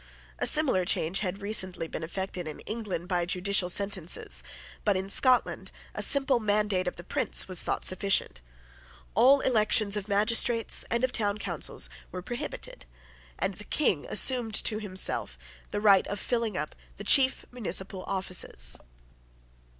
A similar change had recently been effected in England by judicial sentences: but in Scotland a simple mandate of the prince was thought sufficient. All elections of magistrates and of town councils were prohibited; and the King assumed to himself the right of filling up the chief municipal offices.